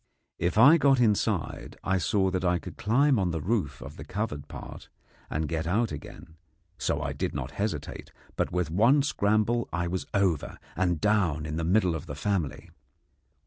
If I got inside, I saw that I could climb on the roof of the covered part and get out again; so I did not hesitate, but with one scramble I was over and down in the middle of the family.